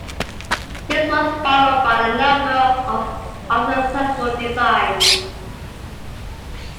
This was followed by a number of other successful designs.